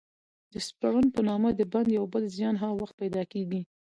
د سپرن په نامه د بند یو بل زیان هغه وخت پیدا کېږي.